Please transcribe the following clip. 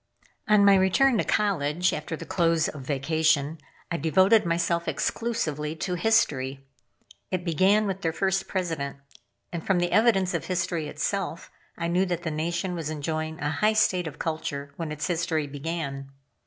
On my return to college, after the close of vacation, I devoted myself exclusively to history. It began with their first President; and from the evidence of history itself, I knew that the Nation was enjoying a high state of culture when its history began.